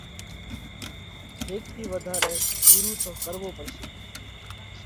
ھيڪ ٿِي وڌارئہ ڳرُو تو ڪروو پڙشي۔